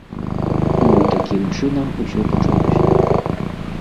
Ну і такім чынам усё пачалося.